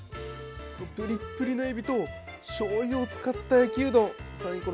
ぷりっぷりのエビとしょうゆを使った焼きうどん